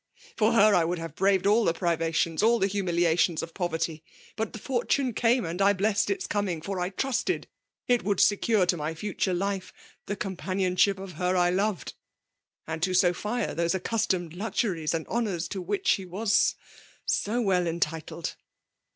— For her I would have braved aU the privations, all the humiliations of poverty :— but fortune came and I blessed its coming for I trusted it would secure to my future life the companionship of her I loved; and to Sophia, those accustomed luxuries and honours to which she was so well entitled.''